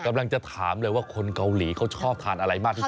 กำลังจะถามเลยว่าคนเกาหลีเขาชอบทานอะไรมากที่สุด